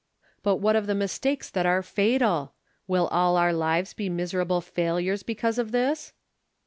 But what of the mistakes that are fatal 1 Will all our lives be miserable failures because of this